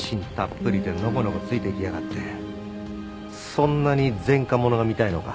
そんなに前科者が見たいのか？